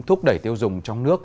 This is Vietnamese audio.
thúc đẩy tiêu dùng trong nước